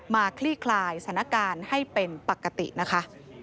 คลี่คลายสถานการณ์ให้เป็นปกตินะคะ